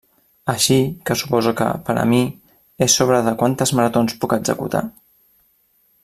Així que suposo que, per a mi, és sobre de quantes maratons puc executar?